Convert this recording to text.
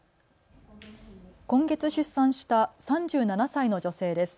今月出産した３７歳の女性です。